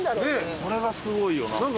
これがすごいよなんか。